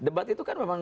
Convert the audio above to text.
debat itu kan memang